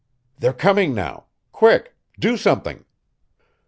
They're coming now. Quick! Do something!"